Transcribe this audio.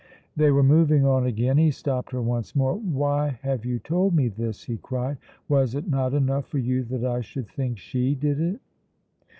They were moving on again. He stopped her once more. "Why have you told me this?" he cried. "Was it not enough for you that I should think she did it?"